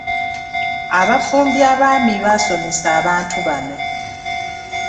Abafumbi abaami baasomesa abantu bano.